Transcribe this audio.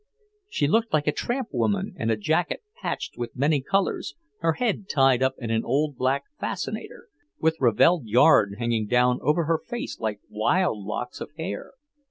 She looked like a tramp woman, in a jacket patched with many colours, her head tied up in an old black "fascinator," with ravelled yarn hanging down over her face like wild locks of hair.